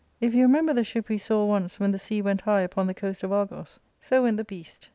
If you remember the ship we saw once when the sea went high upon the coast of Argos ; so went the beast.